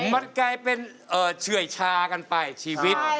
มันกลายเป็นเฉื่อยชากันไปชีวิต